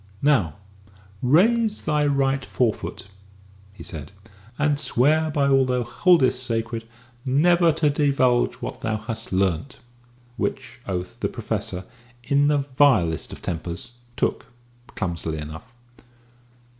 "Now raise thy right forefoot," he said, "and swear by all thou holdest sacred never to divulge what thou hast learnt" which oath the Professor, in the vilest of tempers, took, clumsily enough.